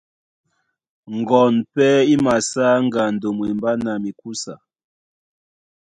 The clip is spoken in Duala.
Ŋgoɔn pɛ́ í masá ŋgando mwembá na mí mikúsa.